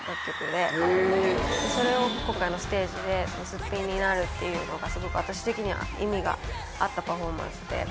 それを今回のステージですっぴんになるっていうのがすごくあたし的には意味があったパフォーマンスで。